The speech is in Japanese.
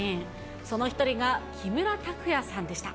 その一人が木村拓哉さんでした。